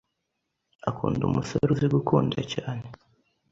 akunda umusore uzi gukunda cyane